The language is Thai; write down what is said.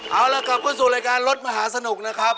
เอาล่ะกลับเข้าสู่รายการรถมหาสนุกนะครับ